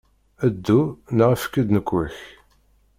Ddu neɣ efk-d nnekwa-k!